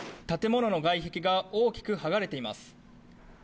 建物の外壁が大きく剥がれています。